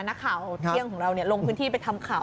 นักข่าวเที่ยงของเราลงพื้นที่ไปทำข่าว